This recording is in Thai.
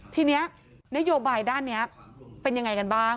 ทีนี้นโยบายด้านนี้เป็นยังไงกันบ้าง